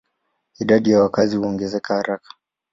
Idadi ya wakazi huongezeka haraka.